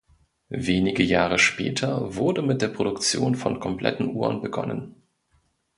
Wenige Jahre später wurde mit der Produktion von kompletten Uhren begonnen.